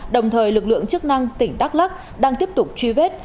đồng thời lực lượng chức năng tỉnh đắk lắc đang tiếp tục truy vết